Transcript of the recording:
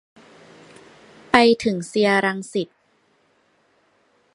ไปถึงเซียร์รังสิต